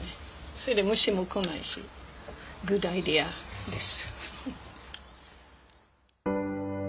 それで虫も来ないしグッドアイデアです。